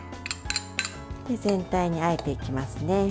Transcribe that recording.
全体にあえていきますね。